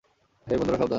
হেই, বন্ধুরা, সাবধান।